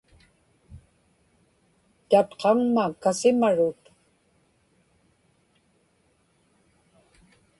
tatqaŋma kasimarut